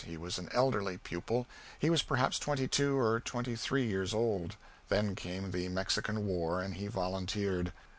He was an elderly pupil; he was perhaps twenty two or twenty three years old. Then came the Mexican War and he volunteered.